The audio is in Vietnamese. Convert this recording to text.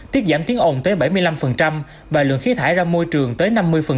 tiết giảm tiếng ồn tới bảy mươi năm và lượng khí thải ra môi trường tới năm mươi